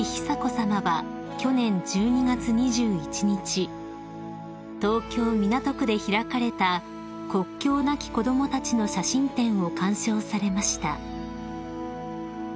久子さまは去年１２月２１日東京港区で開かれた国境なき子どもたちの写真展を鑑賞されました］